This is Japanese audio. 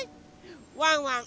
ワンワン